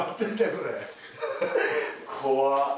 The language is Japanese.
怖っ！